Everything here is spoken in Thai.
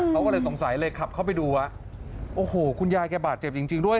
เขาก็เลยสงสัยเลยขับเข้าไปดูว่าโอ้โหคุณยายแกบาดเจ็บจริงด้วย